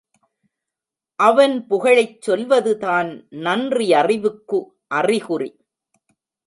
அவன் புகழைச் சொல்வதுதான் நன்றியறிவுக்கு அறிகுறி.